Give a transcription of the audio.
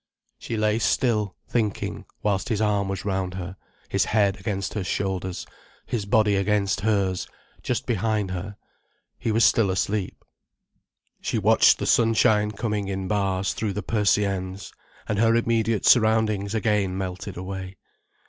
She lay still, thinking, whilst his arm was round her, his head against her shoulders, his body against hers, just behind her. He was still asleep. She watched the sunshine coming in bars through the persiennes, and her immediate surroundings again melted away.